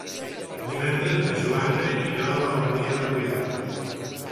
Divendres na Joana irà a la Baronia de Rialb.